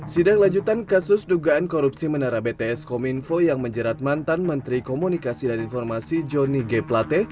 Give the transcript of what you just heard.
sidang lanjutan kasus dugaan korupsi menara bts kominfo yang menjerat mantan menteri komunikasi dan informasi jonny g plate